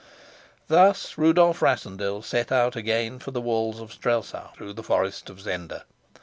Thus Rudolf Rassendyll set out again for the walls of Strelsau, through the forest of Zenda.